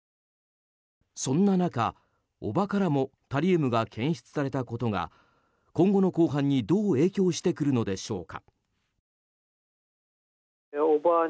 そんな中、叔母からもタリウムが検出されたことが今後の公判にどう影響してくるのでしょうか。